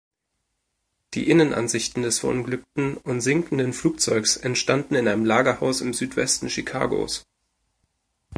Die Innenansichten des verunglückten und sinkenden Flugzeugs entstanden in einem Lagerhaus im Südwesten Chicagos.